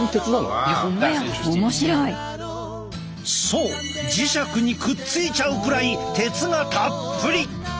そう磁石にくっついちゃうくらい鉄がたっぷり。